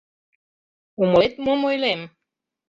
Умылет, мом ойлем?